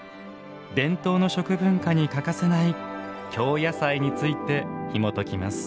伝統の食文化に欠かせない京野菜について、ひもときます。